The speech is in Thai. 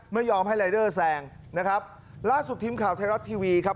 ไม่ยอมให้รายเดอร์แซงนะครับล่าสุดทีมข่าวไทยรัฐทีวีครับ